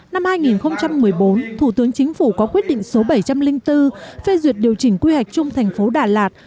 năm hai nghìn một mươi bốn thủ tướng chính phủ có quyết định số bảy trăm linh bốn phê duyệt điều chỉnh quy hoạch chung thành phố đà lạt